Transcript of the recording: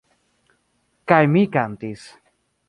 Kaj mi kantis.